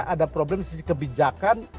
ada problem sisi kebijakan